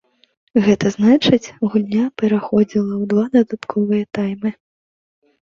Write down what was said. Гэта значыць гульня пераходзіла ў два дадатковыя таймы.